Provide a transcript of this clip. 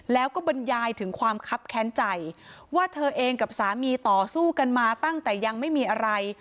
แล้วก็บรรยายถึงความคับแค้นใจว่าเธอเองกับสามีต่อสู้กันมาตั้งแต่ยังไม่มีอะไร